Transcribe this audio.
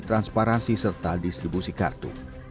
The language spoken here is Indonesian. transparansi serta distribusi kartu